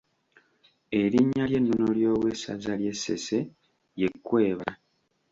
Erinnya ly’ennono ly’owessaza ly’e Ssese ye Kkweba.